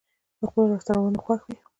په خپلو لاسته راوړنو خوښ وي.